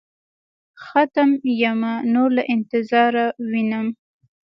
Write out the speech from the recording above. ختم يمه نور له انتظاره وينم.